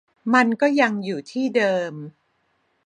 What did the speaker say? มันก็ยังอยู่ที่เดิม